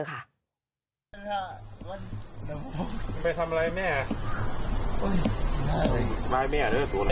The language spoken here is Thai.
ไปทำอะไรแม่